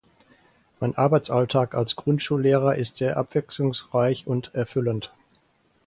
Mein Arbeitsalltag als Grundschullehrer ist sehr abwechslungsreich und erfüllend.